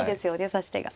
指し手が。